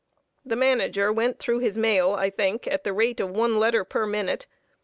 The Manager went through his mail, I think, at the rate of one letter per minute.